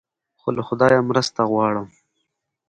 خو له خدایه مرسته غواړم.